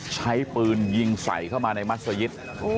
ใช้ปืนยิงใส่เข้ามาในมัศยิต